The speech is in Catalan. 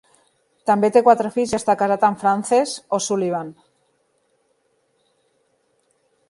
També té quatre fills i està casat amb Frances O'Sullivan.